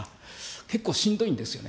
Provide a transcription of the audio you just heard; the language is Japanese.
結構、しんどいんですよね。